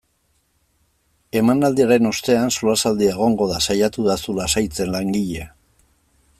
Emanaldiaren ostean solasaldia egongo da, saiatu da zu lasaitzen langilea.